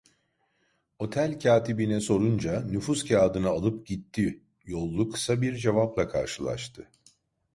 Otel katibine sorunca, "Nüfus kağıdını alıp gitti" yollu kısa bir cevapla karşılaştı.